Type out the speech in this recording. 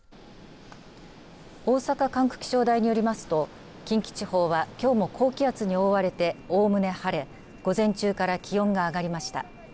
大阪管区気象台によりますと近畿地方はきょうも高気圧に覆われておおむね晴れ午前中から気温が上がりました。